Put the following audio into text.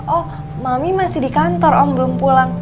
oh mami masih di kantor om belum pulang